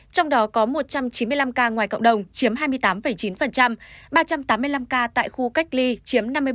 trong đó có một trăm chín mươi năm ca ngoài cộng đồng chiếm hai mươi tám chín ba trăm tám mươi năm ca tại khu cách ly chiếm năm mươi bảy